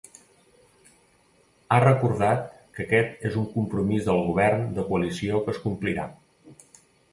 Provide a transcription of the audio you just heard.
Ha recordat que aquest és un compromís del govern de coalició que es complirà.